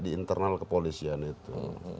di internal kepolisian itu